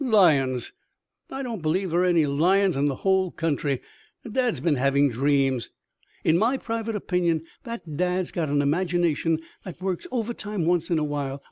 "Lions! I don't believe there are any lions in the whole country. Dad's been having dreams. It's my private opinion that Dad's got an imagination that works over time once in a while.